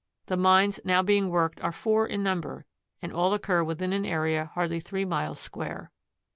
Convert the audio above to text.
The mines now being worked are four in number, and all occur within an area hardly three miles square.